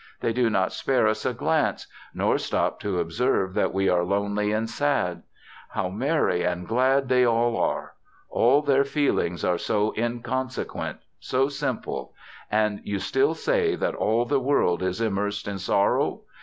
They do not spare us a glance nor stop to observe that we are lonely and sad. How merry and glad they all are. All their feelings are so inconsequent, so simple. And you still say that all the world is immersed in sorrow?